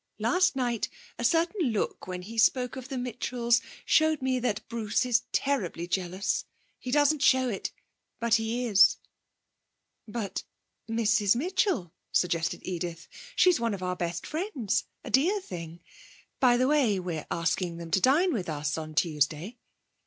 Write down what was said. Last night a certain look when he spoke of the Mitchells showed me that Bruce is terribly jealous. He doesn't show it, but he is.' 'But Mrs Mitchell?' suggested Edith. 'She's one of our best friends a dear thing. By the way, we're asking them to dine with us on Tuesday.'